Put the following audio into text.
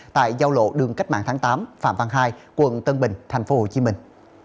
tại giao lộ đường cách mạng tháng tám phạm văn hai quận tân bình thành phố hồ chí minh